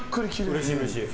うれしい、うれしい。